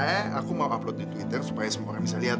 eh aku mau upload di twitter supaya semua orang bisa lihat